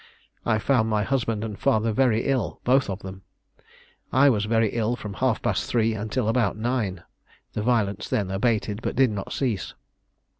I found my husband and father very ill both of them. I was very ill from half past three until about nine; the violence then abated, but did not cease.